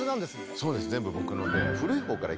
そうです全部僕ので。